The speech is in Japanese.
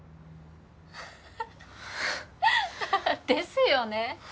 ハハハッですよね